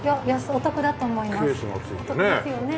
お得ですよね。